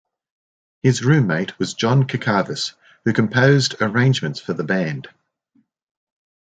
His roommate was John Cacavas who composed arrangements for the band.